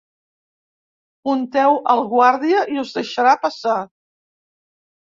Unteu el guàrdia i us deixarà passar.